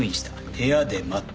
部屋で待ってる」